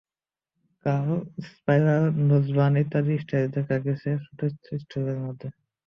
Curl, spiral, loose bun ইত্যাদি style দেখা গেছে ছোট চুলের মধ্যে।